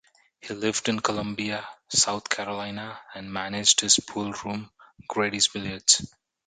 He lived in Columbia, South Carolina and managed his pool room, Grady's Billiards.